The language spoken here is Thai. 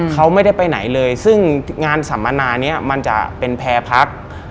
เขาไม่ได้ไปไหนเลยซึ่งงานสัมมนานี้มันจะเป็นแพร่พัก